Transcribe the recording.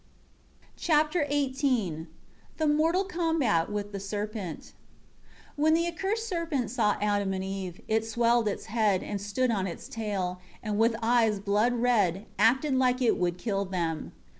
Chapter XVIII The mortal combat with the serpent. 1 When the accursed serpent saw Adam and Eve, it swelled its head, stood on its tail, and with eyes blood red, acted like it would kill them.